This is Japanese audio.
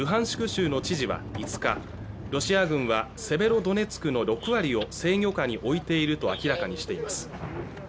州の知事は５日ロシア軍はセベロドネツクの６割を制御下に置いていると明らかにしています